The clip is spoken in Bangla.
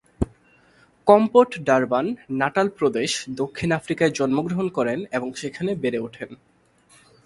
কম্পটন ডারবান, নাটাল প্রদেশ, দক্ষিণ আফ্রিকায় জন্মগ্রহণ করেন এবং সেখানে বেড়ে উঠেন।